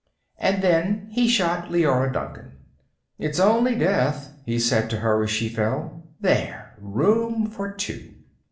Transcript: And then he shot Leora Duncan. "It's only death," he said to her as she fell. "There! Room for two."